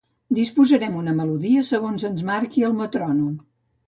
Disposarem una melodia segons ens marqui el metrònom.